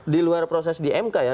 di luar proses di mk ya